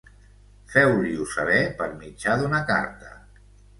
Feu-li-ho saber per mitjà d'una carta.